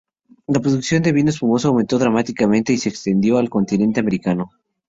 La producción de vino espumoso aumentó dramáticamente y se extendió al continente americano.